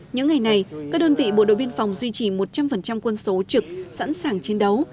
những ngày này các đơn vị bộ đội biên phòng duy trì một trăm linh quân số trực sẵn sàng chiến đấu